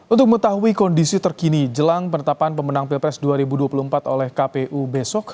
untuk mengetahui kondisi terkini jelang penetapan pemenang pilpres dua ribu dua puluh empat oleh kpu besok